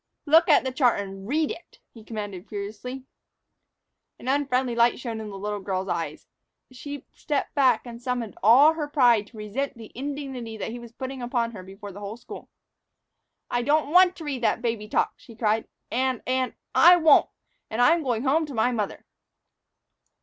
"Look at the chart and read it," he commanded furiously. An unfriendly light suddenly shone in the little girl's eyes. She stepped back and summoned all her pride to resent the indignity that he was putting upon her before the whole school. "Oh, I don't want to read that baby talk," she cried, "and and I won't, and I 'm going home to my mother."